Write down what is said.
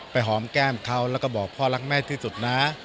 หอมแก้มเขาแล้วก็บอกพ่อรักแม่ที่สุดนะ